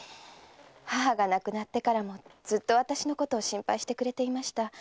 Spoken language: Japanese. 母が亡くなってからもずっと私を心配してくれていました。